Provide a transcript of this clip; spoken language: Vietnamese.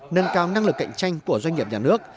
nâng cao năng lực cạnh tranh của doanh nghiệp nhà nước